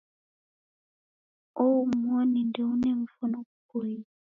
Uomoni ndeuna mvono ghupoie